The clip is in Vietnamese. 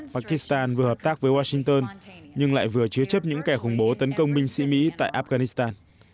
pakistan vừa hợp tác với washington nhưng lại vừa chứa chấp những kẻ khủng bố tấn công binh sĩ mỹ tại afghanistan